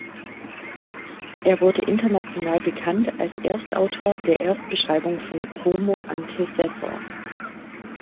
Er wurde international bekannt als Erstautor der Erstbeschreibung von "Homo antecessor".